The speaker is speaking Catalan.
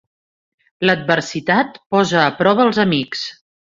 L'adversitat posa a prova els amics.